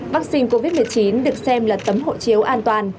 vaccine covid một mươi chín được xem là tấm hộ chiếu an toàn